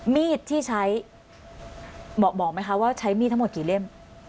มีดที่ใช้เหมาะบอกไหมคะว่าใช้มีดทั้งหมดกี่เล่ม